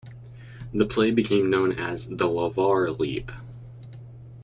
The play became known as "The LaVar Leap".